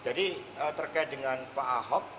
jadi terkait dengan pak ahok